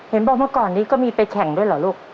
เห็นบอกเมื่อก่อนนี้ก็มีไปแข่งด้วยเหรอลูก